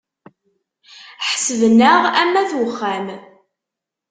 Ḥesben-aɣ am ayt uxxam.